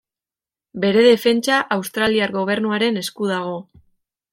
Bere defentsa australiar gobernuaren esku dago.